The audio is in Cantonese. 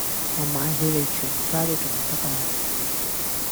我買起你全家都重得呀